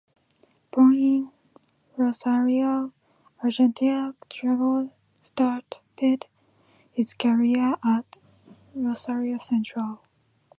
Born in Rosario, Argentina, Delgado started his career at Rosario Central.